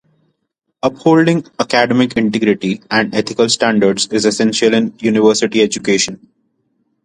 Upholding academic integrity and ethical standards is essential in university education.